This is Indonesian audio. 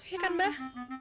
iya kan mbah